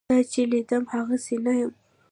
تا چې لیدم هغسې نه یم.